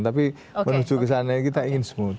tapi menuju ke sana kita ingin smooth